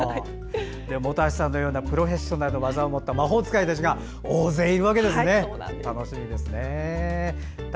本橋さんのようなプロフェッショナルな技を持った魔法使いたちが大勢いるわけですね。